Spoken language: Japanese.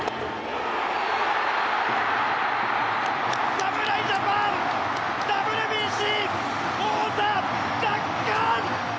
侍ジャパンＷＢＣ王座奪還！